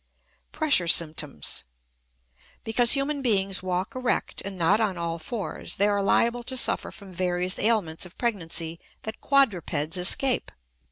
PRESSURE SYMPTOMS. Because human beings walk erect, and not on all fours, they are liable to suffer from various ailments of pregnancy that quadrupeds escape.